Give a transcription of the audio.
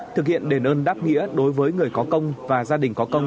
thực hiện đền ơn đáp nghĩa đối với người có công và gia đình có công